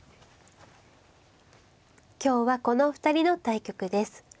今日はこのお二人の対局です。